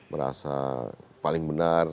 merasa paling benar